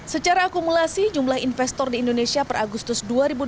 secara akumulasi jumlah investor di indonesia per agustus dua ribu dua puluh